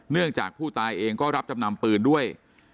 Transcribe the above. จากผู้ตายเองก็รับจำนำปืนด้วย